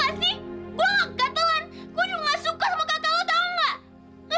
gue juga nggak suka sama kakak lo tau nggak